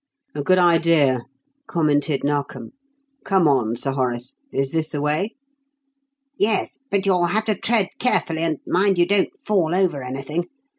"A good idea," commented Narkom. "Come on, Sir Horace. Is this the way?" "Yes, but you'll have to tread carefully, and mind you don't fall over anything.